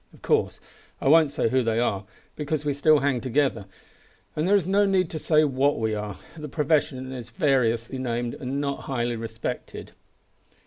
Of course I won't say who they are, because we still hang together, and there is no need to say what we are. The profession is variously named, and not highly respected.